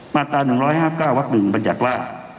มาตรา๑๕๙วัก๑บัญญัติว่า